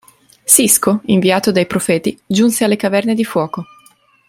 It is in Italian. Sisko, inviato dai Profeti, giunse alle Caverne di Fuoco.